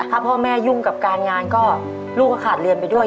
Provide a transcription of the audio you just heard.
ถ้าพ่อแม่ยุ่งกับการงานก็ลูกก็ขาดเรียนไปด้วย